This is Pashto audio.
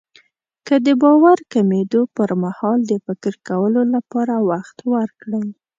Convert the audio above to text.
که د باور کمېدو پرمهال د فکر کولو لپاره وخت ورکړئ.